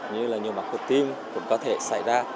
như là nhiều mặt của tim cũng có thể xảy ra